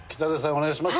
お願いします。